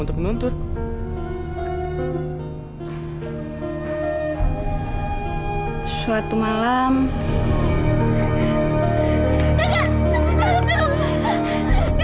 kalau ada apa apa